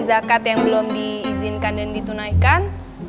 zakat yang belum diizinkan dan ditunaikan